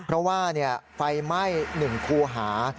เพราะว่าไฟไหม้๑คูหา